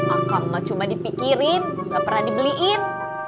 akan mah cuma dipikirin gak pernah dibeliin